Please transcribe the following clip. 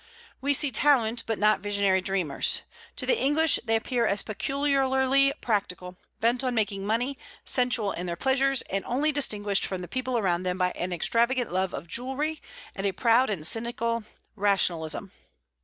We see talent, but not visionary dreamers. To the English they appear as peculiarly practical, bent on making money, sensual in their pleasures, and only distinguished from the people around them by an extravagant love of jewelry and a proud and cynical rationalism.